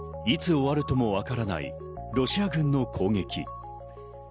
いつ終わるともわからないロシア軍の攻撃。